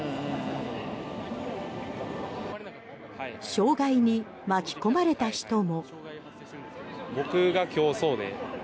障害に巻き込まれた人も。